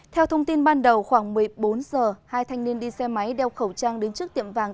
theo thông tin ban đầu khoảng một mươi bốn h hai thanh niên đi xe máy đeo khẩu trang đến trước tiệm vàng